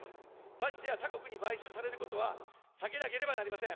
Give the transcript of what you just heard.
ましてや他国に買収されることは避けなければなりません。